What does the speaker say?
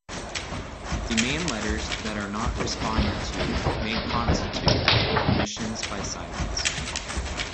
Demand letters that are not responded to may constitute admissions by silence.